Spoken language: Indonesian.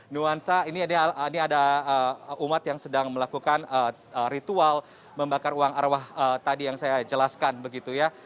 nuansa ini ada umat yang sedang melakukan ritual membakar uang arwah tadi yang saya jelaskan begitu ya